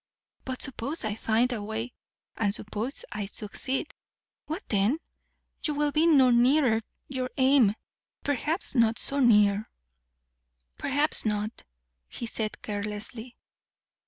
But suppose I find a way, and suppose I succeed; what then? You will be no nearer your aim perhaps not so near." "Perhaps not," he said carelessly.